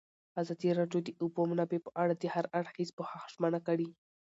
ازادي راډیو د د اوبو منابع په اړه د هر اړخیز پوښښ ژمنه کړې.